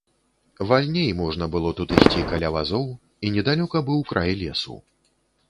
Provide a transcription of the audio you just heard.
Вальней можна было тут ісці каля вазоў, і недалёка быў край лесу.